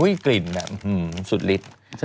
อุ๊ยกลิ่นแบบสุดฤทธิ์